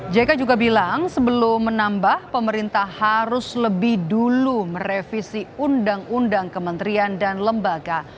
jk juga bilang sebelum menambah pemerintah harus lebih dulu merevisi undang undang kementerian dan lembaga